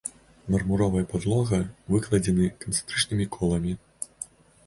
Мармуровая падлога выкладзены канцэнтрычнымі коламі.